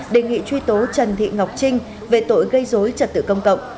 đề nghị truy tố trần thị ngọc trinh về tội gây dối trật tự công cộng